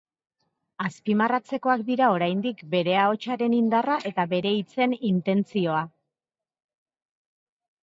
Azpimarratzekoak dira oraindik bere ahotsaren indarra eta bere hitzen intentzioa.